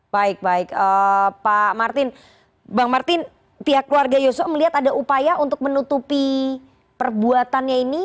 baik baik pak martin bang martin pihak keluarga yosua melihat ada upaya untuk menutupi perbuatannya ini